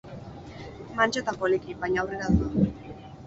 Mantso eta poliki, baina aurrera doa.